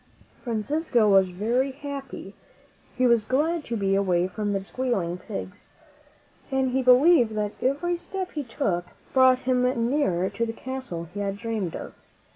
Francisco was very happy. He was glad to be away from the dirty, squealing pigs, and he believed that every step he took brought him nearer to the castle he had dreamed of.